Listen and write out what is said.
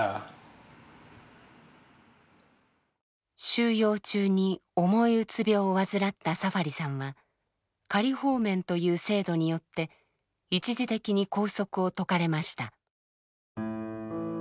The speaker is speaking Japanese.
収容中に重いうつ病を患ったサファリさんは「仮放免」という制度によって一時的に拘束を解かれました。